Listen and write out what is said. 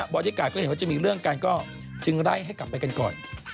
อดี้การ์ก็เห็นว่าจะมีเรื่องกันก็จึงไล่ให้กลับไปกันก่อน